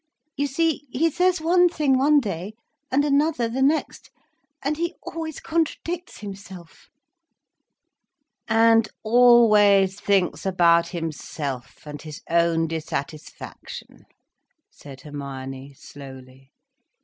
You see he says one thing one day, and another the next—and he always contradicts himself—" "And always thinks about himself, and his own dissatisfaction," said Hermione slowly.